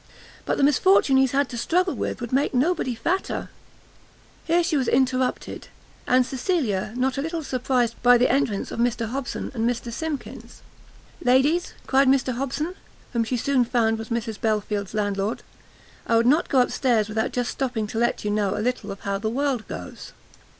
But the misfortunes he's had to struggle with would make nobody fatter." Here she was interrupted, and Cecilia not a little surprised, by the entrance of Mr Hobson and Mr Simkins. "Ladies," cried Mr Hobson, whom she soon found was Mrs Belfield's landlord; "I would not go up stairs without just stopping to let you know a little how the world goes."